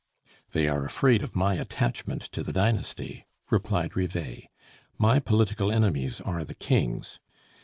"They are afraid of my attachment to the dynasty," replied Rivet. "My political enemies are the King's.